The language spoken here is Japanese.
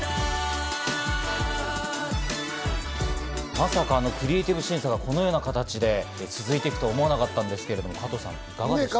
まさかクリエイティブ審査が、このような形で続いていくとは思わなかったんですがいかがですか。